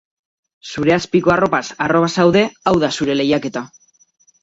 Zure azpiko arropaz harro bazaude, hau da zure lehiaketa.